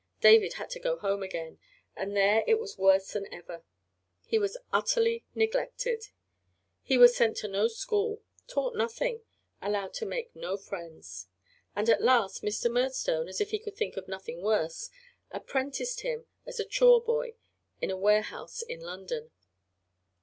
David had to go home again, and there it was worse than ever. He was utterly neglected. He was sent to no school, taught nothing, allowed to make no friends. And at last Mr. Murdstone, as if he could think of nothing worse, apprenticed him as a chore boy in a warehouse in London.